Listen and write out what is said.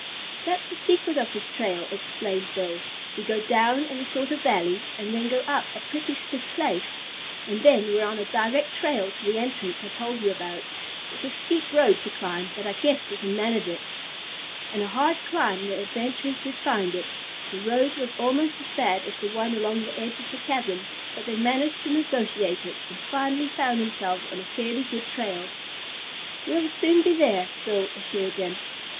"That's the secret of this trail," explained Bill. "We go down in a sort of valley, and then go up a pretty stiff place, and then we're on a direct trail to the entrance I told you about. It's a steep road to climb, but I guess we can manage it." And a hard climb the adventurers did find it. The road was almost as bad as the one along the edge of the chasm, but they managed to negotiate it, and finally found themselves on a fairly good trail. "We'll soon be there," Bill assured them.